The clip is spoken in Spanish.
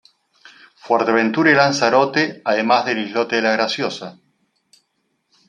Fuerteventura y Lanzarote, además del islote de La Graciosa.